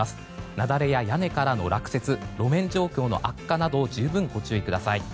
雪崩や屋根からの落雪路面状況の悪化など十分ご注意ください。